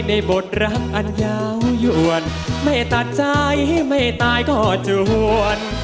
บทรักอันยาวยวนไม่ตัดใจไม่ตายก็จวน